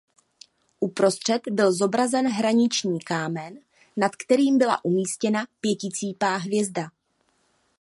Uprostřed byl zobrazen hraniční kámen nad kterým byla umístěna pěticípá hvězda.